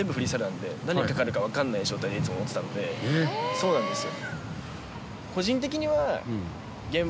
そうなんですよ。